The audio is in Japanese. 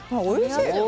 おいしい！